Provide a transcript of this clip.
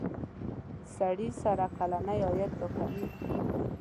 سړي سر کلنی عاید را کمیږی.